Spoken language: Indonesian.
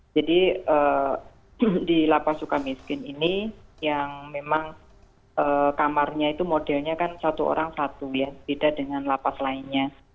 jadi di lapas sukamiskin ini yang memang kamarnya itu modelnya kan satu orang satu ya beda dengan lapas lainnya